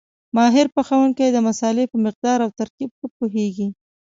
ماهر پخوونکی د مسالې په مقدار او ترکیب ښه پوهېږي.